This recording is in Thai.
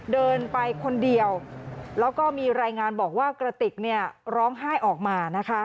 เดินไปคนเดียวแล้วก็มีรายงานบอกว่ากระติกร้องไห้ออกมานะคะ